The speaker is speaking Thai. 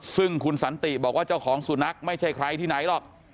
ซึ่งคุณสันติบอกว่าเจ้าของสุนัขไม่ใช่ใครที่ไหนหรอก